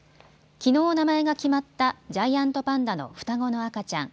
きのう名前が決まったジャイアントパンダの双子の赤ちゃん。